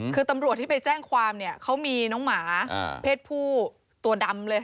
คือตำรวจที่ไปแจ้งความเนี่ยเขามีน้องหมาเพศผู้ตัวดำเลย